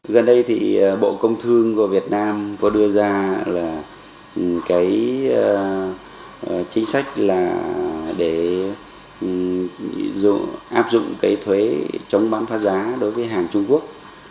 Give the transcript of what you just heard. gần đây thì bộ công thương của việt nam có đưa ra là cái chính sách là để áp dụng cái thuế chống bán phá giá đối với hàng trung quốc